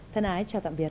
thân ái chào tạm biệt